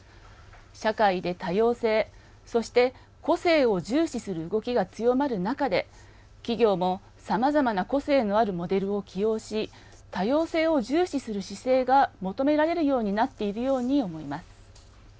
社会で多様性そして個性を重視する動きが強まる中で、企業もさまざまな個性のあるモデルを起用し多様性を重視する姿勢が求められるようになっているように感じます。